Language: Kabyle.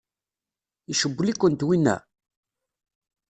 Icewwel-ikent winna?